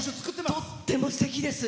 とってもすてきです！